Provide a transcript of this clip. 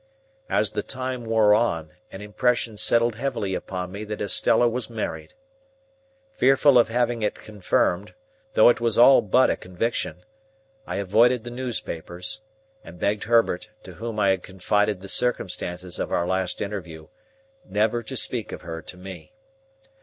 As the time wore on, an impression settled heavily upon me that Estella was married. Fearful of having it confirmed, though it was all but a conviction, I avoided the newspapers, and begged Herbert (to whom I had confided the circumstances of our last interview) never to speak of her to me.